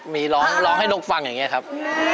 มีร้องร้องให้นกฟังอย่างนี้ครับ